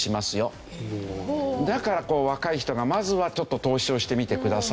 だから若い人がまずはちょっと投資をしてみてくださいねという。